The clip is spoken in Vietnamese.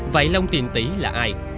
vậy long tiện tỷ là ai